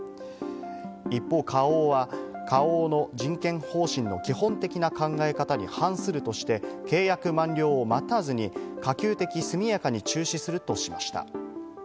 一方、花王は、花王の人権方針の基本的な考え方に反するとして、契約満了を待たずに可及的速やかに中止するとしました。